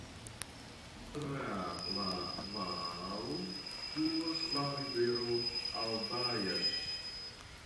Tra la valo fluas la rivero Adaja.